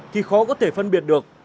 thì khó có thể phân biệt được